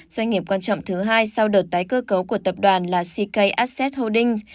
doanh nghiệp quan trọng thứ hai sau đợt tái cơ cấu của tập đoàn là ck asset holdings